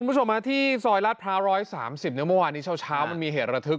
คุณผู้ชมที่ซอยลาดพร้าว๑๓๐เมื่อวานนี้เช้ามันมีเหตุระทึก